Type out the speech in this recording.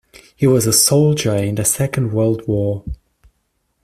He was a soldier in the Second World War.